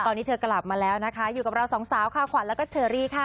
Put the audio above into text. ตอนนี้เธอกลับมาแล้วนะคะอยู่กับเราสองสาวค่ะขวัญแล้วก็เชอรี่ค่ะ